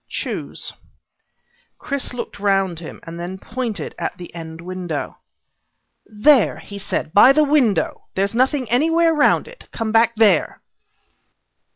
Choose." Chris looked around him, and then pointed to the end window. "There," he said, "by the window. There's nothing anywhere around it. Come back there."